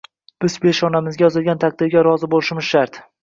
Biz peshonamizga yozilgan taqdirga rozi bo‘lishimiz shart